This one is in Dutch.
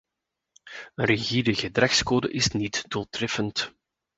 Een rigide gedragscode is niet doeltreffend.